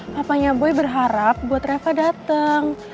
papanya boy berharap buat reva dateng